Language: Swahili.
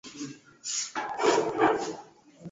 ya kupambana dhidi ya maambukizi ya ukimwi na unyanyapaji